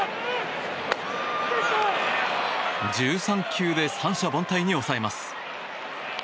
１３球で三者凡退に抑えます。